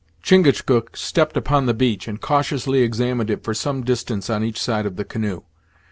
Chingachgook stepped upon the beach, and cautiously examined it for some distance on each side of the canoe.